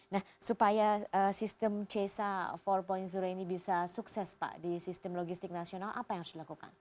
nah supaya sistem cesa empat ini bisa sukses pak di sistem logistik nasional apa yang harus dilakukan